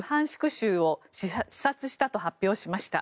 州を視察したと発表しました。